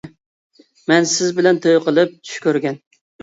مەن سىز بىلەن توي قىلىپ چۈش كۆرگەن.